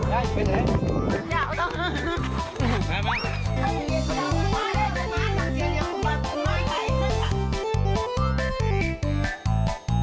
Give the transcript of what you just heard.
หยุด